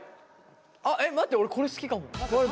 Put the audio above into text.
あっえっ待って俺これ好きかも。